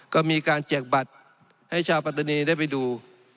ก็มีการแจกบัตรให้ชาวปัตตานีได้ไปดู